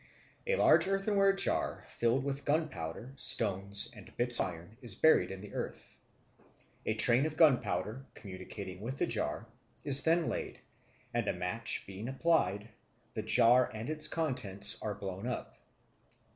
A large earthenware jar filled with gunpowder, stones, and bits of iron is buried in the earth. A train of gunpowder, communicating with the jar, is then laid; and a match being applied, the jar and its contents are blown up.